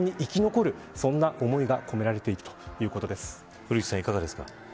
古市さん、いかがですか。